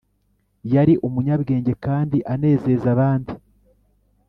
. Yari umunyabwenge kandi anezeza abandi ;